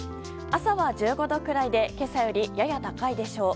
朝は１５度くらいで今朝よりやや高いでしょう。